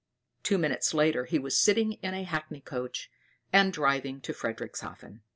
Two minutes later, he was sitting in a hackney coach and driving to Frederickshafen.